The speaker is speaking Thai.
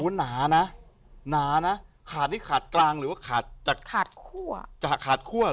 อู๋หนานะขาดดีขาดกลางหรือขาดขั้ว